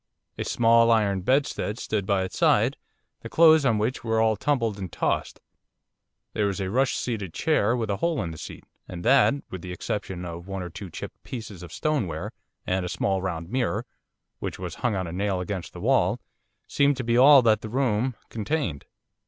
A small iron bedstead stood by its side, the clothes on which were all tumbled and tossed. There was a rush seated chair with a hole in the seat, and that, with the exception of one or two chipped pieces of stoneware, and a small round mirror which was hung on a nail against the wall, seemed to be all that the room contained.